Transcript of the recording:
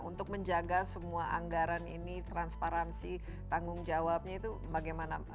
untuk menjaga semua anggaran ini transparansi tanggung jawabnya itu bagaimana